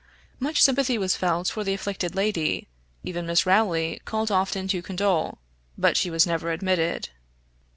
Much sympathy was felt for the afflicted lady; even Miss Rowley called often to condole, but she was never admitted.